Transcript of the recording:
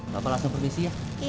bapak langsung permisi ya